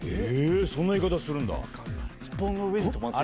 そんな言い方するんだ。